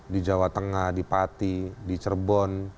di jawa tengah di pati di cerbon